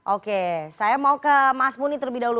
oke saya mau ke mas muni terlebih dahulu